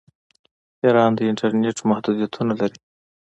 ایران د انټرنیټ محدودیتونه لري.